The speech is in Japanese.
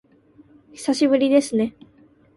久しぶりですね